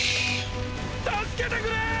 助けてくれー！